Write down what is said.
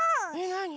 なに？